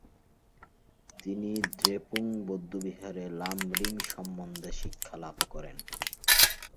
তিনি দ্রেপুং বৌদ্ধবিহারে লাম-রিম সম্বন্ধে শিক্ষালাভ করেন।